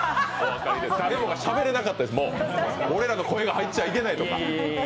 誰もがしゃべれなかったです、俺らの声が入っちゃいけないと。